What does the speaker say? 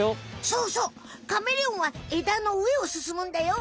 そうそうカメレオンは枝の上をすすむんだよ。